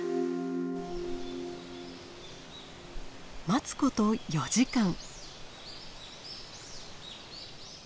待つこと４時間。